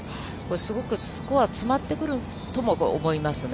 すごくスコア、詰まってくるとも思いますね。